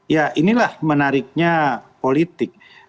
ya inilah menariknya politik